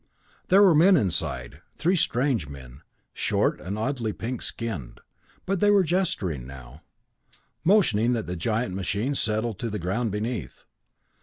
There were men inside three strange men, short and oddly pink skinned but they were gesturing now, motioning that the giant machine settle to the ground beneath.